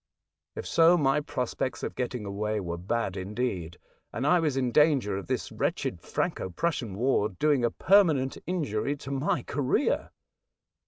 If so, my prospects of getting away were bad indeed, and I was in danger of this wretched Franco Prussian War doing a permanent injury to my career.